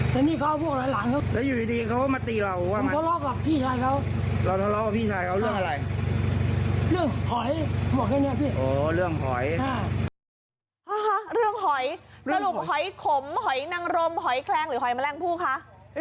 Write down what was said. สรุปหอยขมหอยนังรมหอยแคลงหรือหอยแมลงผู้คะ